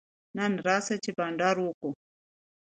نن راسه چي بانډار وکو.